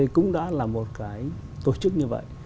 cũng đã là một cái tổ chức như vậy